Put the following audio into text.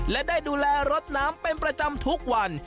และได้ดูแลรถน้ำเป็นประจำทุกวัน